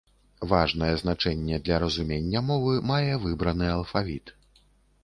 Важнае значэнне для разумення мовы мае выбраны алфавіт.